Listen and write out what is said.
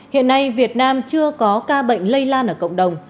hiện nay việt nam chưa có ca bệnh lây lan ở cộng đồng